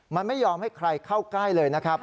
มันไม่ยอมให้ใครเข้าใกล้เลยนะครับ